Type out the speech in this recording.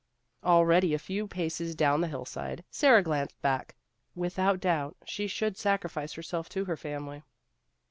Already a few paces down the hillside, Sara glanced back. " Without doubt, she should sacrifice herself to her family."